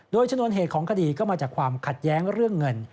โดยชนวนเหตุของคดีก็มาจากความขัดแย้งเรื่องเงิน